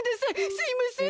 すいません。